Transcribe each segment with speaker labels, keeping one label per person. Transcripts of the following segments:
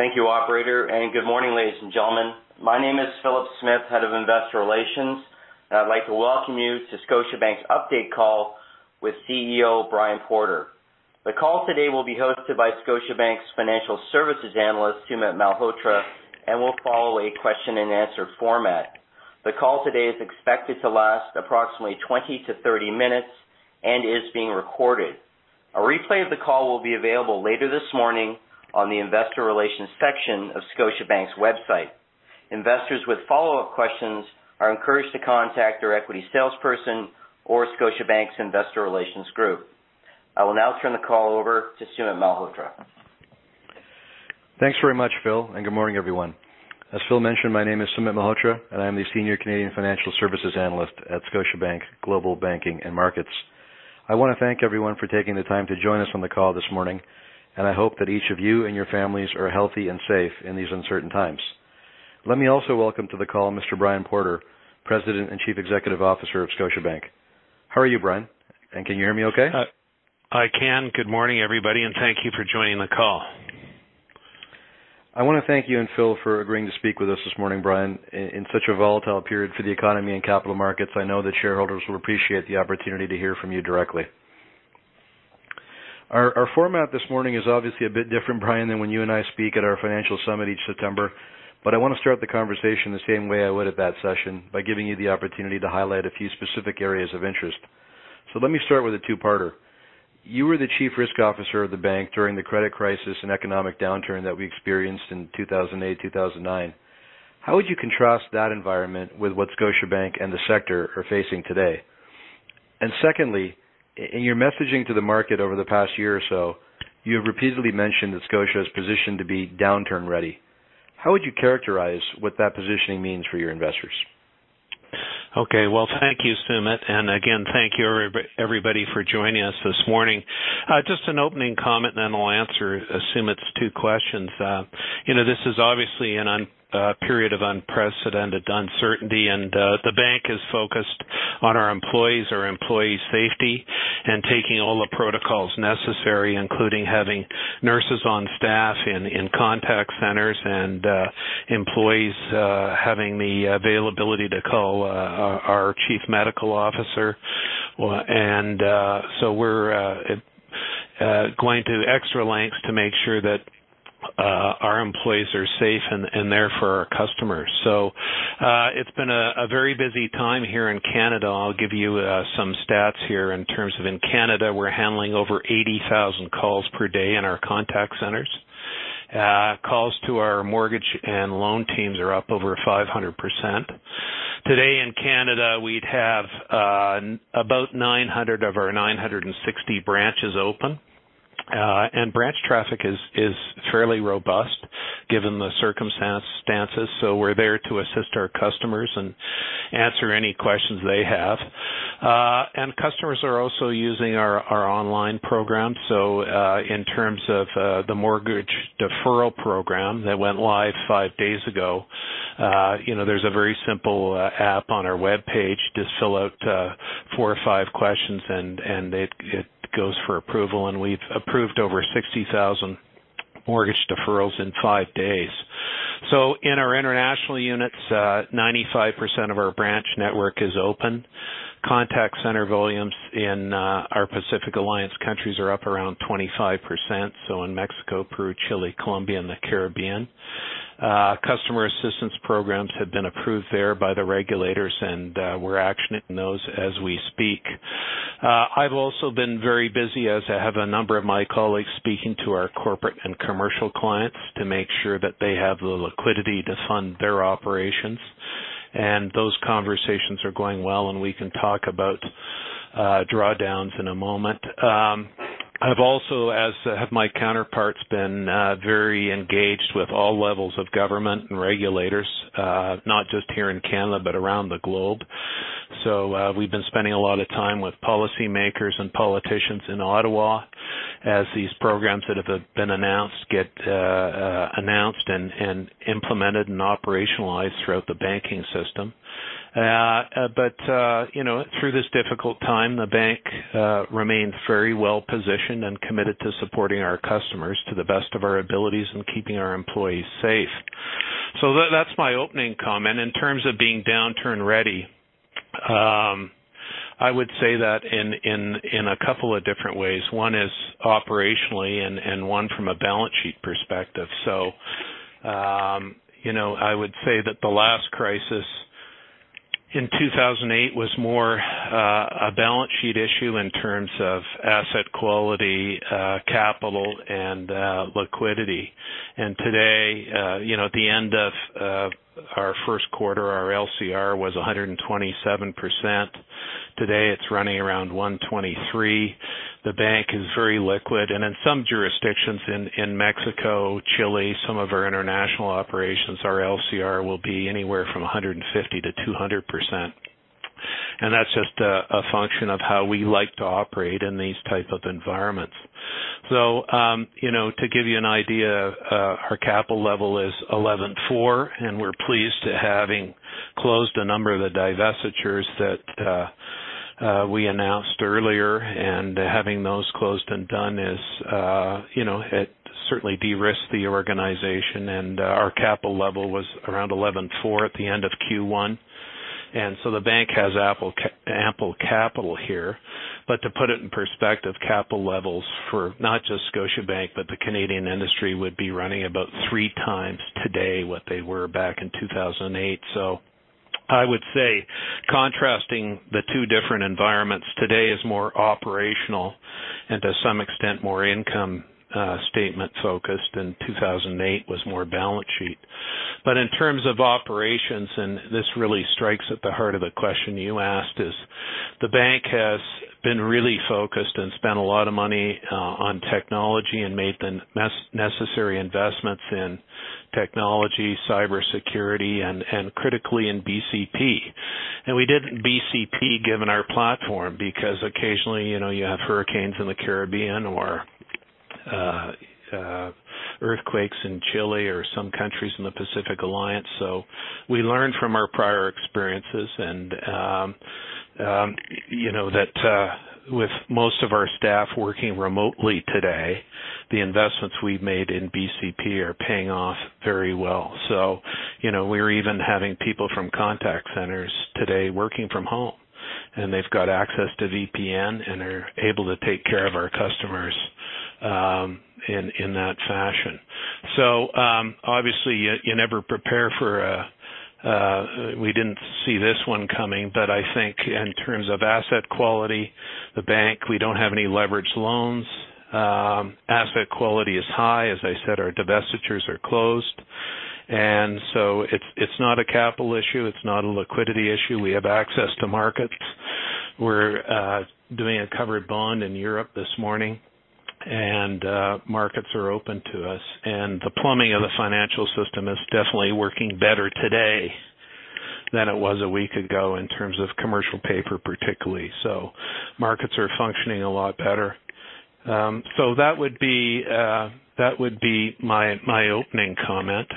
Speaker 1: Thank you operator. Good morning, ladies and gentlemen. My name is Philip Smith, Head of Investor Relations, and I'd like to welcome you to Scotiabank's update call with CEO Brian Porter. The call today will be hosted by Scotiabank's Financial Services Analyst, Sumit Malhotra, and will follow a question and answer format. The call today is expected to last approximately 20-30 minutes and is being recorded. A replay of the call will be available later this morning on the investor relations section of Scotiabank's website. Investors with follow-up questions are encouraged to contact their equity salesperson or Scotiabank's investor relations group. I will now turn the call over to Sumit Malhotra.
Speaker 2: Thanks very much, Phil, and good morning, everyone. As Phil mentioned, my name is Sumit Malhotra, and I'm the Senior Canadian Financial Services Analyst at Scotiabank Global Banking and Markets. I want to thank everyone for taking the time to join us on the call this morning, and I hope that each of you and your families are healthy and safe in these uncertain times. Let me also welcome to the call Mr. Brian Porter, President and Chief Executive Officer of Scotiabank. How are you, Brian, and can you hear me okay?
Speaker 3: Good morning, everybody, and thank you for joining the call.
Speaker 2: I want to thank you and Phil for agreeing to speak with us this morning, Brian. In such a volatile period for the economy and capital markets, I know that shareholders will appreciate the opportunity to hear from you directly. Our format this morning is obviously a bit different, Brian, than when you and I speak at our financial summit each September. I want to start the conversation the same way I would at that session, by giving you the opportunity to highlight a few specific areas of interest. Let me start with a two-parter. You were the chief risk officer of the bank during the credit crisis and economic downturn that we experienced in 2008, 2009. How would you contrast that environment with what Scotiabank and the sector are facing today? Secondly, in your messaging to the market over the past year or so, you have repeatedly mentioned that Scotiabank is positioned to be downturn ready. How would you characterize what that positioning means for your investors?
Speaker 3: Okay. Well, thank you, Sumit, and again, thank you everybody for joining us this morning. Just an opening comment and then I'll answer Sumit's two questions. This is obviously a period of unprecedented uncertainty and the bank is focused on our employees, our employee safety, and taking all the protocols necessary, including having nurses on staff in contact centers and employees having the availability to call our chief medical officer. We're going to extra lengths to make sure that our employees are safe and there for our customers. It's been a very busy time here in Canada. I'll give you some stats here in terms of in Canada, we're handling over 80,000 calls per day in our contact centers. Calls to our mortgage and loan teams are up over 500%. Today in Canada, we'd have about 900 of our 960 branches open. Branch traffic is fairly robust given the circumstances. We're there to assist our customers and answer any questions they have. Customers are also using our online program. In terms of the mortgage deferral program that went live five days ago, there's a very simple app on our webpage. Just fill out four or five questions and it goes for approval. We've approved over 60,000 mortgage deferrals in five days. In our international units, 95% of our branch network is open. Contact center volumes in our Pacific Alliance countries are up around 25%, so in Mexico, Peru, Chile, Colombia, and the Caribbean. Customer assistance programs have been approved there by the regulators, and we're actioning those as we speak. I've also been very busy, as have a number of my colleagues, speaking to our corporate and commercial clients to make sure that they have the liquidity to fund their operations. Those conversations are going well, and we can talk about drawdowns in a moment. I've also, as have my counterparts, been very engaged with all levels of government and regulators, not just here in Canada, but around the globe. We've been spending a lot of time with policymakers and politicians in Ottawa as these programs that have been announced get announced and implemented and operationalized throughout the banking system. Through this difficult time, the bank remains very well-positioned and committed to supporting our customers to the best of our abilities and keeping our employees safe. That's my opening comment. In terms of being downturn ready, I would say that in a couple of different ways. One is operationally and one from a balance sheet perspective. I would say that the last crisis in 2008 was more a balance sheet issue in terms of asset quality, capital, and liquidity. Today, at the end of our first quarter, our LCR was 127%. Today, it's running around 123%. The bank is very liquid. In some jurisdictions in Mexico, Chile, some of our international operations, our LCR will be anywhere from 150%-200%. That's just a function of how we like to operate in these type of environments. To give you an idea, our capital level is 11.4%, and we're pleased to having closed a number of the divestitures that we announced earlier and having those closed and done, it certainly de-risked the organization and our capital level was around 11.4% at the end of Q1. The bank has ample capital here. To put it in perspective, capital levels for not just Scotiabank, but the Canadian industry would be running about three times today what they were back in 2008. I would say contrasting the two different environments today is more operational and to some extent, more income statement-focused, and 2008 was more balance sheet. In terms of operations, and this really strikes at the heart of the question you asked, is the bank has been really focused and spent a lot of money on technology and made the necessary investments in technology, cybersecurity, and critically in BCP. We did BCP given our platform, because occasionally, you have hurricanes in the Caribbean or earthquakes in Chile or some countries in the Pacific Alliance. We learned from our prior experiences and, that with most of our staff working remotely today, the investments we've made in BCP are paying off very well. We're even having people from contact centers today working from home, and they've got access to VPN, and they're able to take care of our customers in that fashion. Obviously, we didn't see this one coming, but I think in terms of asset quality, the bank, we don't have any leveraged loans. Asset quality is high. As I said, our divestitures are closed. It's not a capital issue. It's not a liquidity issue. We have access to markets. We're doing a covered bond in Europe this morning, and markets are open to us. The plumbing of the financial system is definitely working better today than it was a week ago in terms of commercial paper, particularly. Markets are functioning a lot better. That would be my opening comment.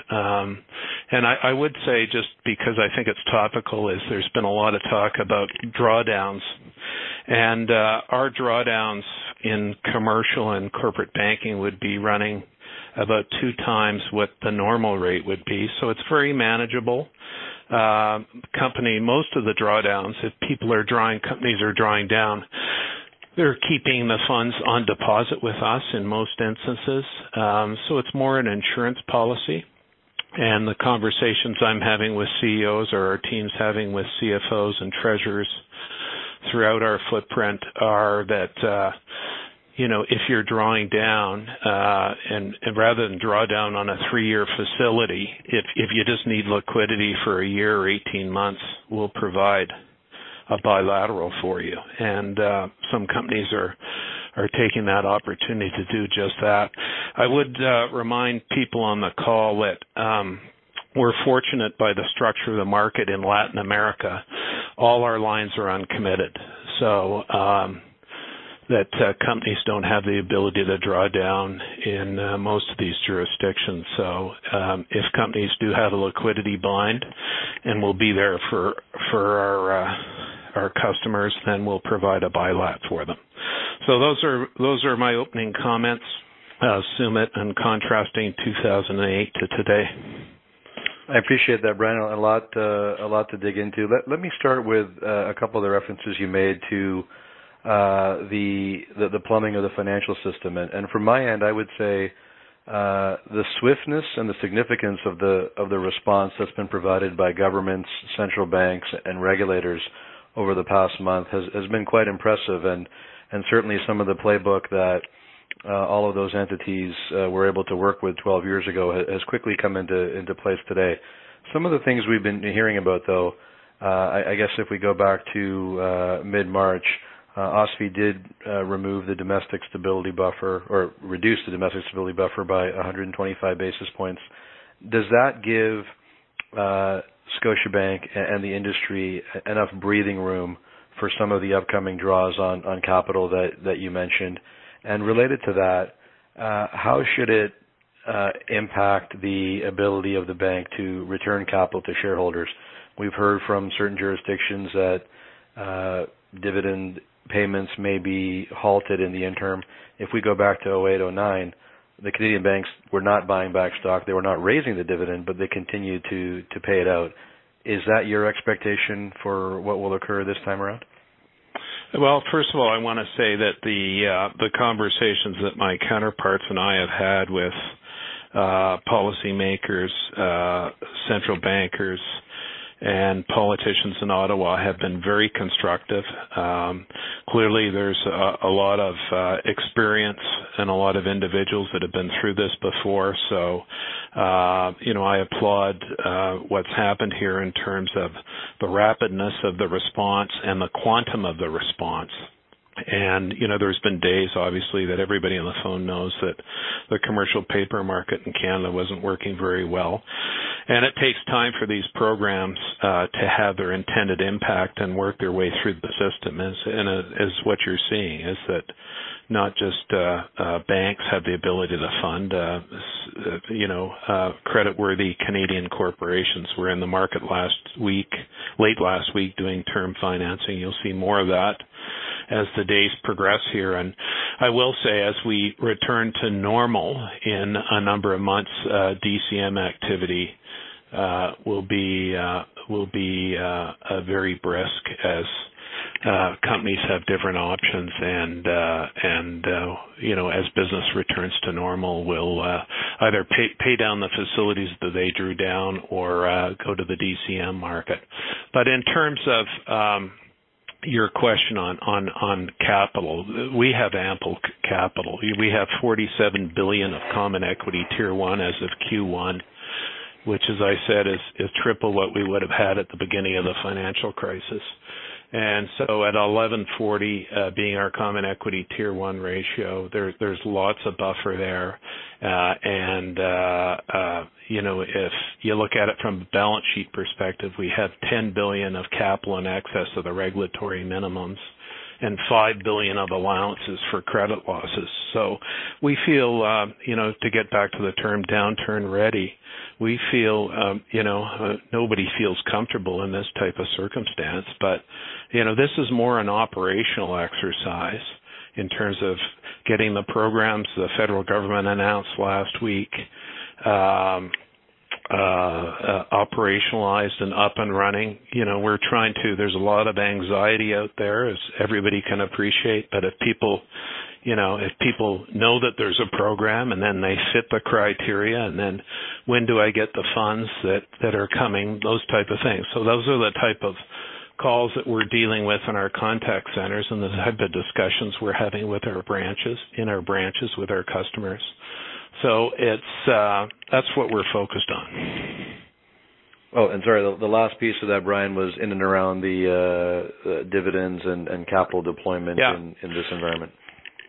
Speaker 3: I would say, just because I think it's topical, there's been a lot of talk about drawdowns. Our drawdowns in commercial and corporate banking would be running about two times what the normal rate would be. It's very manageable. Most of the drawdowns, if companies are drawing down, they're keeping the funds on deposit with us in most instances. It's more an insurance policy. The conversations I'm having with CEOs or our teams having with CFOs and treasurers throughout our footprint are that, if you're drawing down and rather than draw down on a three-year facility, if you just need liquidity for a year or 18 months, we'll provide a bilateral for you. Some companies are taking that opportunity to do just that. I would remind people on the call that we're fortunate by the structure of the market in Latin America. All our lines are uncommitted, so that companies don't have the ability to draw down in most of these jurisdictions. If companies do have a liquidity bind, and we'll be there for our customers, then we'll provide a bilat for them. Those are my opening comments, Sumit, and contrasting 2008 to today.
Speaker 2: I appreciate that, Brian. A lot to dig into. Let me start with a couple of the references you made to the plumbing of the financial system. From my end, I would say the swiftness and the significance of the response that's been provided by governments, central banks, and regulators over the past month has been quite impressive. Certainly some of the playbook that all of those entities were able to work with 12 years ago has quickly come into place today. Some of the things we've been hearing about, though, I guess if we go back to mid-March, OSFI did remove the Domestic Stability Buffer or reduced the Domestic Stability Buffer by 125 basis points. Does that give Scotiabank and the industry enough breathing room for some of the upcoming draws on capital that you mentioned? Related to that, how should it impact the ability of the bank to return capital to shareholders? We've heard from certain jurisdictions that dividend payments may be halted in the interim. If we go back to 2008, 2009, the Canadian banks were not buying back stock. They were not raising the dividend, but they continued to pay it out. Is that your expectation for what will occur this time around?
Speaker 3: Well, first of all, I want to say that the conversations that my counterparts and I have had with policymakers, central bankers, and politicians in Ottawa have been very constructive. Clearly, there's a lot of experience and a lot of individuals that have been through this before. I applaud what's happened here in terms of the rapidness of the response and the quantum of the response. There's been days, obviously, that everybody on the phone knows that the commercial paper market in Canada wasn't working very well. It takes time for these programs to have their intended impact and work their way through the system. Not just banks have the ability to fund creditworthy Canadian corporations. We're in the market late last week doing term financing. You'll see more of that as the days progress here. I will say, as we return to normal in a number of months, DCM activity will be very brisk as companies have different options. As business returns to normal, we'll either pay down the facilities that they drew down or go to the DCM market. In terms of your question on capital, we have ample capital. We have 47 billion of Common Equity Tier 1 as of Q1, which as I said, is triple what we would have had at the beginning of the financial crisis. At 11.40 being our Common Equity Tier 1 ratio, there's lots of buffer there. If you look at it from a balance sheet perspective, we have 10 billion of capital in excess of the regulatory minimums and 5 billion of allowances for credit losses. To get back to the term downturn ready, we feel nobody feels comfortable in this type of circumstance. This is more an operational exercise in terms of getting the programs the federal government announced last week operationalized and up and running. There's a lot of anxiety out there as everybody can appreciate. If people know that there's a program and then they fit the criteria, and then when do I get the funds that are coming, those type of things. Those are the type of calls that we're dealing with in our contact centers and the type of discussions we're having in our branches with our customers. That's what we're focused on.
Speaker 2: Oh, sorry, the last piece of that, Brian, was in and around the dividends and capital deployment.
Speaker 3: Yeah.
Speaker 2: In this environment.
Speaker 3: Yeah.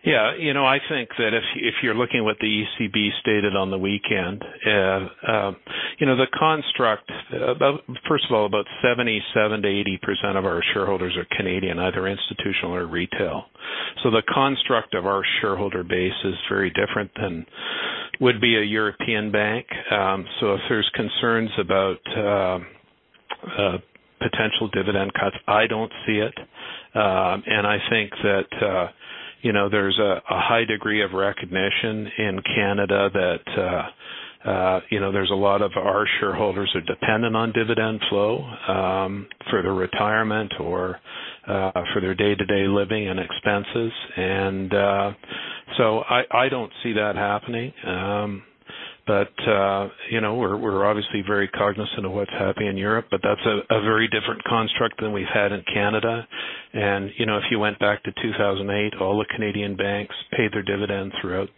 Speaker 3: I think that if you're looking what the ECB stated on the weekend. First of all, about 77% to 80% of our shareholders are Canadian, either institutional or retail. The construct of our shareholder base is very different than would be a European bank. If there's concerns about potential dividend cuts, I don't see it. I think that there's a high degree of recognition in Canada that there's a lot of our shareholders are dependent on dividend flow for their retirement or for their day-to-day living and expenses. I don't see that happening. We're obviously very cognizant of what's happening in Europe, but that's a very different construct than we've had in Canada. If you went back to 2008, all the Canadian banks paid their dividends throughout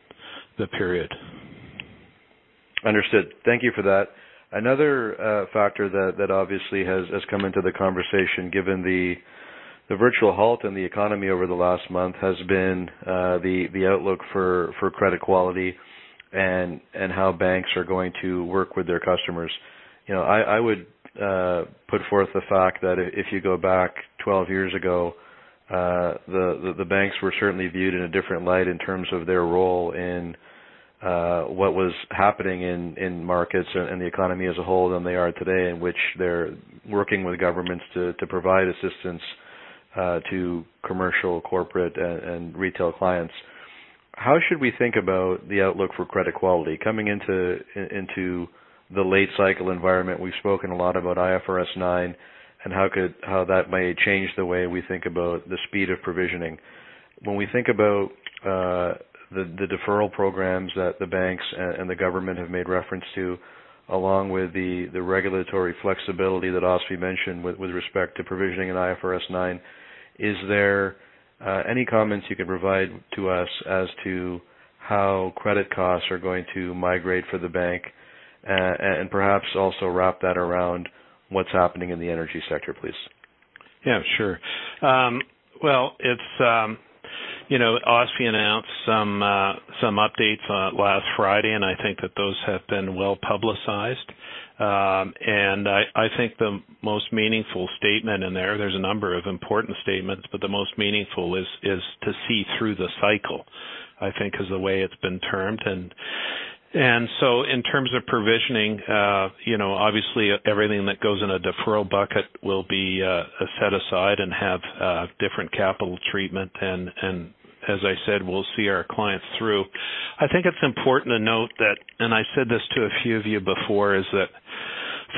Speaker 3: the period.
Speaker 2: Understood. Thank you for that. Another factor that obviously has come into the conversation given the virtual halt in the economy over the last month has been the outlook for credit quality and how banks are going to work with their customers. I would put forth the fact that if you go back 12 years ago, the banks were certainly viewed in a different light in terms of their role in what was happening in markets and the economy as a whole than they are today, in which they're working with governments to provide assistance to commercial, corporate, and retail clients. How should we think about the outlook for credit quality coming into the late cycle environment? We've spoken a lot about IFRS 9 and how that may change the way we think about the speed of provisioning. When we think about the deferral programs that the banks and the government have made reference to, along with the regulatory flexibility that OSFI mentioned with respect to provisioning and IFRS 9, is there any comments you could provide to us as to how credit costs are going to migrate for the bank? Perhaps also wrap that around what's happening in the energy sector, please.
Speaker 3: Yeah, sure. Well, OSFI announced some updates last Friday, I think that those have been well-publicized. I think the most meaningful statement in there's a number of important statements, but the most meaningful is to see through the cycle, I think is the way it's been termed. In terms of provisioning, obviously everything that goes in a deferral bucket will be set aside and have different capital treatment. As I said, we'll see our clients through. I think it's important to note that, I said this to a few of you before,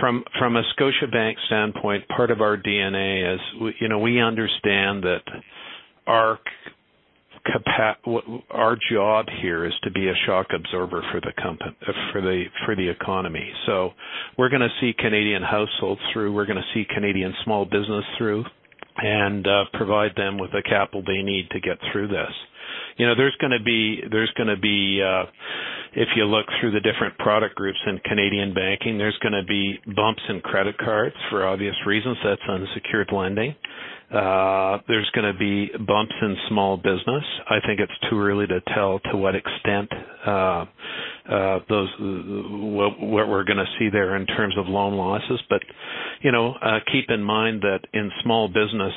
Speaker 3: from a Scotiabank standpoint, part of our DNA is we understand that our job here is to be a shock absorber for the economy. We're going to see Canadian households through, we're going to see Canadian small business through and provide them with the capital they need to get through this. If you look through the different product groups in Canadian banking, there's going to be bumps in credit cards for obvious reasons. That's unsecured lending. There's going to be bumps in small business. I think it's too early to tell to what extent what we're going to see there in terms of loan losses. Keep in mind that in small business,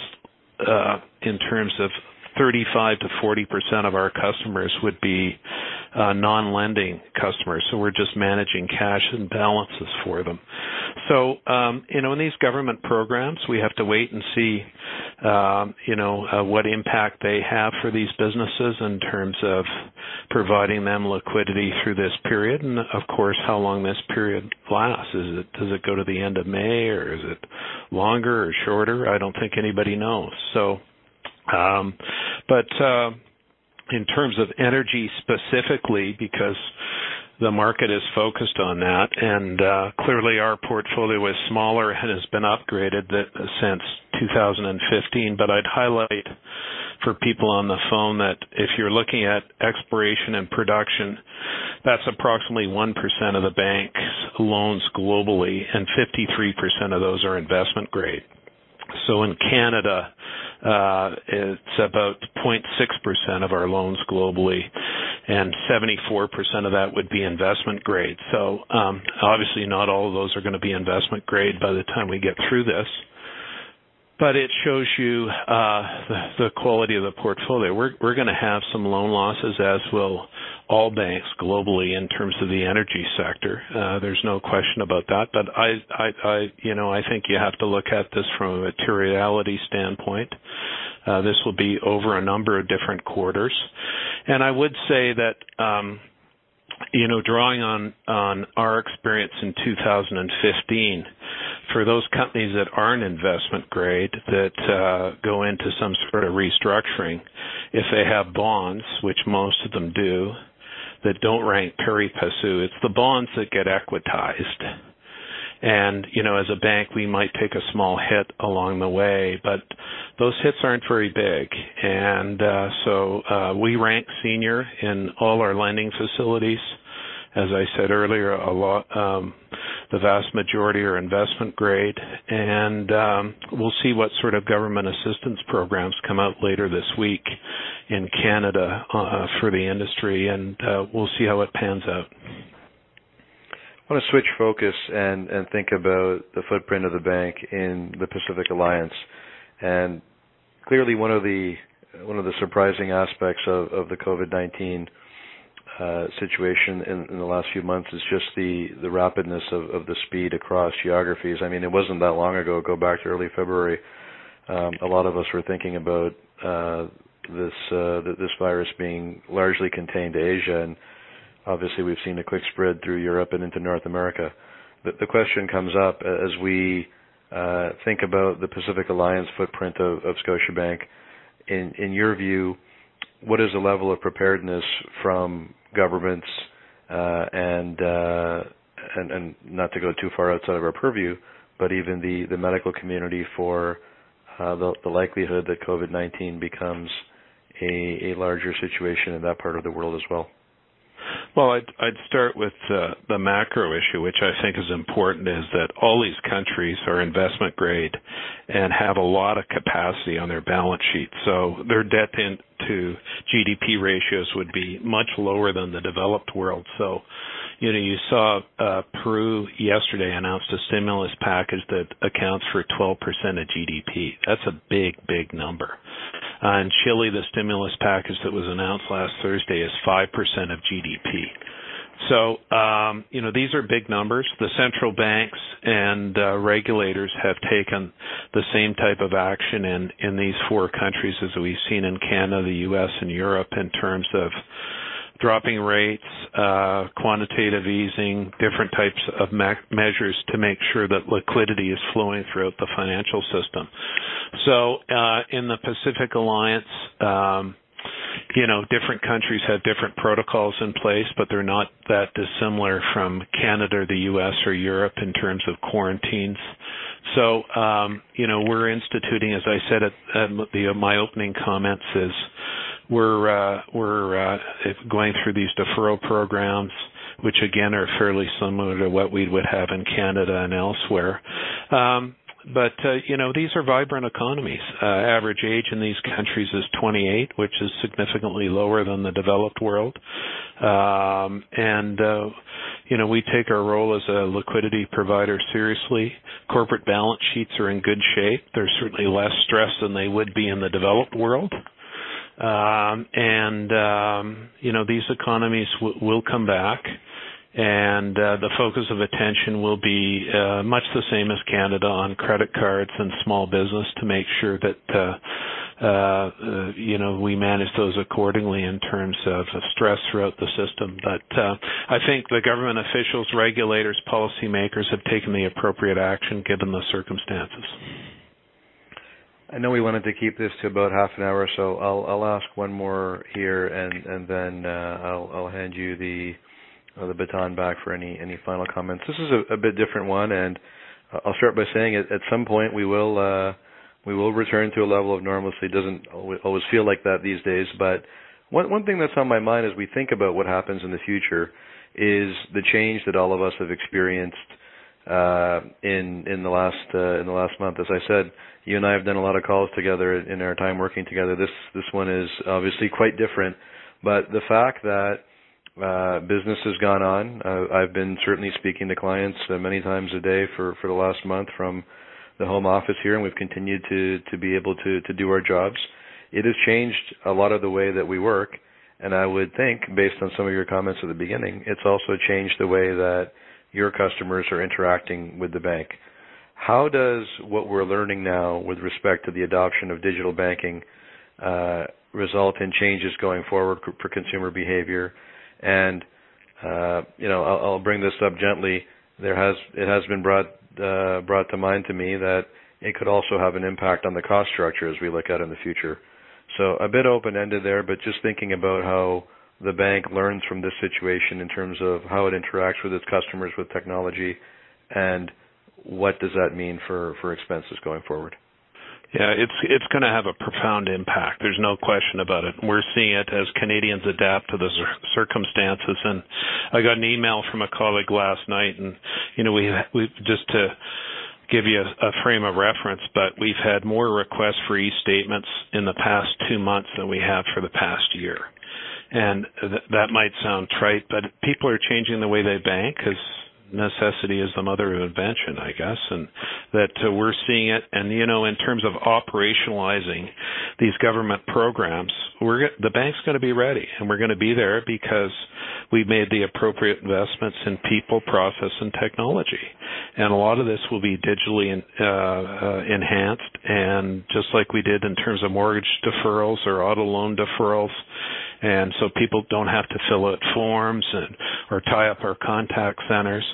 Speaker 3: in terms of 35%-40% of our customers would be non-lending customers, so we're just managing cash and balances for them. In these government programs, we have to wait and see what impact they have for these businesses in terms of providing them liquidity through this period. Of course, how long this period lasts. Does it go to the end of May, or is it longer or shorter? I don't think anybody knows. In terms of energy specifically, because the market is focused on that, and clearly our portfolio is smaller and has been upgraded since 2015. I'd highlight for people on the phone that if you're looking at exploration and production, that's approximately 1% of the bank's loans globally, and 53% of those are investment grade. In Canada, it's about 0.6% of our loans globally, and 74% of that would be investment grade. obviously not all of those are going to be investment grade by the time we get through this. It shows you the quality of the portfolio. We're going to have some loan losses, as will all banks globally in terms of the energy sector. There's no question about that. I think you have to look at this from a materiality standpoint. This will be over a number of different quarters. I would say that drawing on our experience in 2015, for those companies that aren't investment grade, that go into some sort of restructuring, if they have bonds, which most of them do, that don't rank pari passu, it's the bonds that get equitized. As a bank, we might take a small hit along the way, but those hits aren't very big. We rank senior in all our lending facilities. As I said earlier, the vast majority are investment grade. We'll see what sort of government assistance programs come out later this week in Canada for the industry, and we'll see how it pans out.
Speaker 2: I want to switch focus and think about the footprint of the bank in the Pacific Alliance. Clearly, one of the surprising aspects of the COVID-19 situation in the last few months is just the rapidness of the speed across geographies. It wasn't that long ago. Go back to early February, a lot of us were thinking about this virus being largely contained to Asia. Obviously, we've seen a quick spread through Europe and into North America. The question comes up as we think about the Pacific Alliance footprint of Scotiabank. In your view, what is the level of preparedness from governments and, not to go too far outside of our purview, but even the medical community for the likelihood that COVID-19 becomes a larger situation in that part of the world as well?
Speaker 3: Well, I'd start with the macro issue, which I think is important, is that all these countries are investment grade and have a lot of capacity on their balance sheet. Their debt-to-GDP ratios would be much lower than the developed world. You saw Peru yesterday announced a stimulus package that accounts for 12% of GDP. That's a big number. In Chile, the stimulus package that was announced last Thursday is 5% of GDP. These are big numbers. The central banks and regulators have taken the same type of action in these four countries as we've seen in Canada, the U.S., and Europe in terms of dropping rates, quantitative easing, different types of measures to make sure that liquidity is flowing throughout the financial system. In the Pacific Alliance, different countries have different protocols in place, but they're not that dissimilar from Canada or the U.S. or Europe in terms of quarantines. We're instituting, as I said at my opening comments, is we're going through these deferral programs, which again, are fairly similar to what we would have in Canada and elsewhere. These are vibrant economies. Average age in these countries is 28, which is significantly lower than the developed world. We take our role as a liquidity provider seriously. Corporate balance sheets are in good shape. They're certainly less stressed than they would be in the developed world. These economies will come back, and the focus of attention will be much the same as Canada on credit cards and small business to make sure that we manage those accordingly in terms of stress throughout the system. I think the government officials, regulators, policymakers have taken the appropriate action given the circumstances.
Speaker 2: I know we wanted to keep this to about half an hour, so I'll ask one more here, and then I'll hand you the baton back for any final comments. This is a bit different one, and I'll start by saying, at some point, we will return to a level of normalcy. It doesn't always feel like that these days. One thing that's on my mind as we think about what happens in the future is the change that all of us have experienced in the last month. As I said, you and I have done a lot of calls together in our time working together. This one is obviously quite different. Business has gone on. I've been certainly speaking to clients many times a day for the last month from the home office here, and we've continued to be able to do our jobs. It has changed a lot of the way that we work, and I would think, based on some of your comments at the beginning, it's also changed the way that your customers are interacting with the bank. How does what we're learning now with respect to the adoption of digital banking result in changes going forward for consumer behavior? I'll bring this up gently. It has been brought to mind to me that it could also have an impact on the cost structure as we look out in the future. A bit open-ended there, but just thinking about how the bank learns from this situation in terms of how it interacts with its customers with technology, and what does that mean for expenses going forward?
Speaker 3: Yeah. It's going to have a profound impact. There's no question about it. We're seeing it as Canadians adapt to the circumstances. I got an email from a colleague last night, and just to give you a frame of reference, but we've had more requests for e-statements in the past two months than we have for the past year. That might sound trite, but people are changing the way they bank because necessity is the mother of invention, I guess. That we're seeing it. In terms of operationalizing these government programs, the bank's going to be ready, and we're going to be there because we've made the appropriate investments in people, process, and technology. A lot of this will be digitally enhanced, just like we did in terms of mortgage deferrals or auto loan deferrals, people don't have to fill out forms or tie up our contact centers.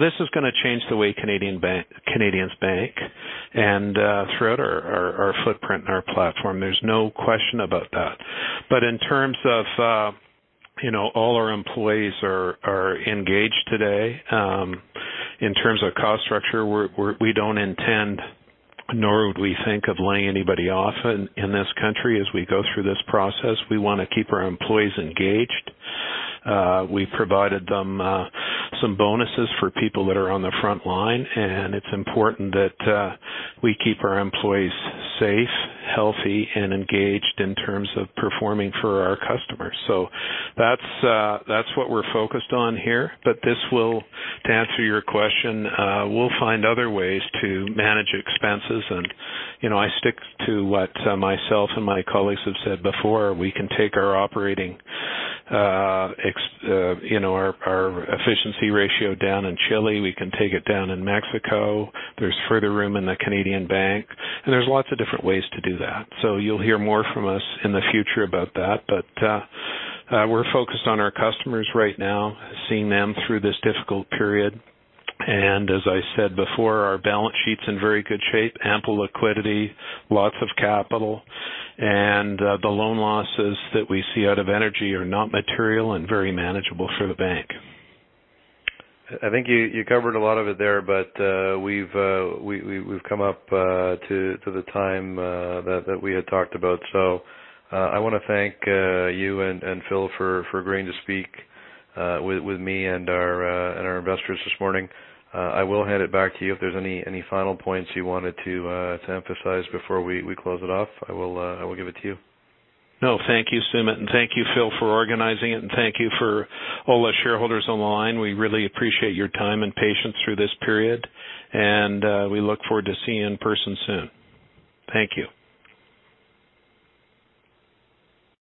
Speaker 3: This is going to change the way Canadians bank and throughout our footprint and our platform. There's no question about that. In terms of all our employees are engaged today. In terms of cost structure, we don't intend, nor would we think of laying anybody off in this country as we go through this process. We want to keep our employees engaged. We provided them some bonuses for people that are on the front line, and it's important that we keep our employees safe, healthy, and engaged in terms of performing for our customers. That's what we're focused on here. To answer your question, we'll find other ways to manage expenses. I stick to what myself and my colleagues have said before. We can take our operating, our efficiency ratio down in Chile. We can take it down in Mexico. There's further room in the Canadian bank. There's lots of different ways to do that. You'll hear more from us in the future about that. We're focused on our customers right now, seeing them through this difficult period. As I said before, our balance sheet's in very good shape, ample liquidity, lots of capital. The loan losses that we see out of energy are not material and very manageable for the bank.
Speaker 2: I think you covered a lot of it there. We've come up to the time that we had talked about. I want to thank you and Phil for agreeing to speak with me and our investors this morning. I will hand it back to you if there's any final points you wanted to emphasize before we close it off. I will give it to you.
Speaker 3: No. Thank you, Sumit, and thank you, Phil, for organizing it, and thank you for all the shareholders on the line. We really appreciate your time and patience through this period, and we look forward to seeing you in person soon. Thank you.